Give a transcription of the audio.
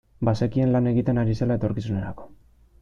Bazekien lan egiten ari zela etorkizunerako.